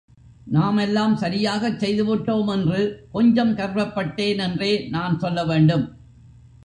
நாம் எல்லாம் சரியாகச் செய்துவிட்டோம் என்று கொஞ்சம் கர்வப்பட்டேன் என்றே நான் சொல்ல வேண்டும்.